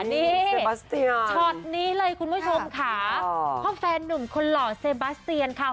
นี่ช็อตนี้เลยคุณผู้ชมค่ะเพราะแฟนหนุ่มคนหล่อเซบาสเตียนค่ะ